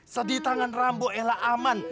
kalau di tangan rambut elah aman